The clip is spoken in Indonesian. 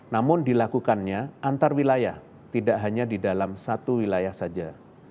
namun dilakukannya antar wilayah tidak hanya di dalam satu wilayah saja